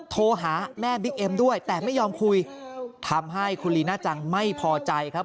โทรหาแม่บิ๊กเอ็มด้วยแต่ไม่ยอมคุยทำให้คุณลีน่าจังไม่พอใจครับ